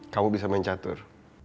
kamu bisa main catur